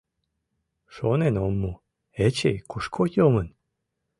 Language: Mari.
Шонен ом му, Эчей кушко йомын?